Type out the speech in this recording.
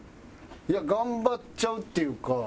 いや頑張っちゃうっていうか